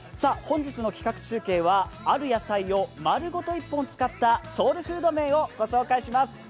本日の企画中継はある野菜を丸ごと一本使ったソウルフード麺を御紹介します。